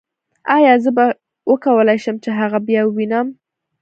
ایا زه به وکولای شم چې هغه بیا ووینم